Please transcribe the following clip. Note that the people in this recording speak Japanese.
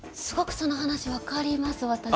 すごくその話分かります私。